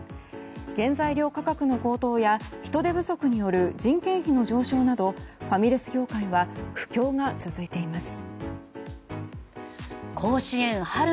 原材料価格の高騰や人手不足による人件費の上昇などファミレス業界は苦境が続いています。